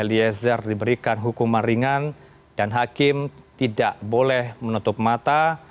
eliezer diberikan hukuman ringan dan hakim tidak boleh menutup mata